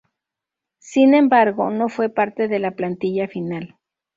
Sin embargo, no fue parte de la plantilla final.